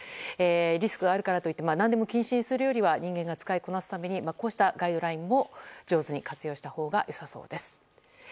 リスクがあるからといって何でも禁止にするよりは人間が使いこなすためにこうしたガイドラインも上手に活用したほうが良さそうです。